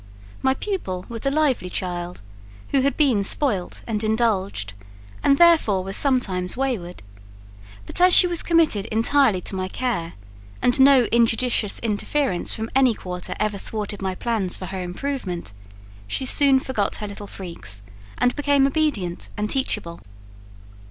My pupil was a lively child, who had been spoilt and indulged, and therefore was sometimes wayward; but as she was committed entirely to my care, and no injudicious interference from any quarter ever thwarted my plans for her improvement, she soon forgot her little freaks, and became obedient and teachable.